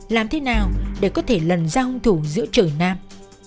làm thế nào để có thể lần ra hung thủ giữa trời nam